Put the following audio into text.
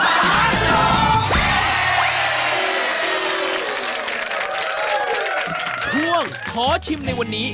ขอชิมในวันนี้